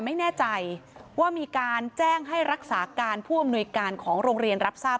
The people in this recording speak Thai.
ไม่แน่ใจว่ามีการแจ้งให้รักษาการผู้อำนวยการของโรงเรียนรับทราบ